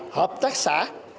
hợp tác xã